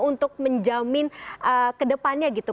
untuk menjamin kedepannya gitu